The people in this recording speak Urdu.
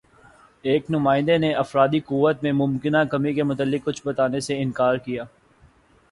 ایک نمائندے نے افرادی قوت میں ممکنہ کمی کے متعلق کچھ بتانے سے اِنکار کِیا